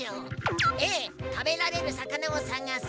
Ａたべられるさかなをさがす。